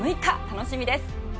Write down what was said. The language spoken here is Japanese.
楽しみです！